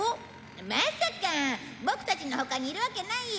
まさかボクたちの他にいるわけないよ。